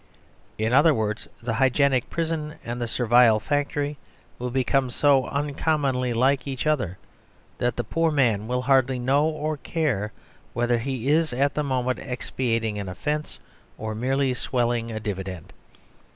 In other words, the hygienic prison and the servile factory will become so uncommonly like each other that the poor man will hardly know or care whether he is at the moment expiating an offence or merely swelling a dividend.